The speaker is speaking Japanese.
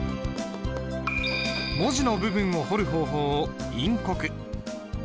文字の部分を彫る方法を陰刻。